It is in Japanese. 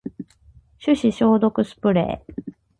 手指消毒スプレー